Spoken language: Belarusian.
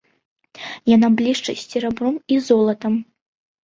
Яна блішчыць серабром і золатам.